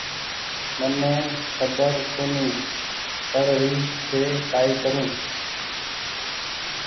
مني کبر ڪونيٚ پڙ ري ڇي ڪآئي ڪرون